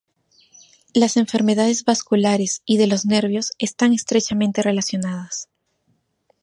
Las enfermedades vasculares y de los nervios están estrechamente relacionadas.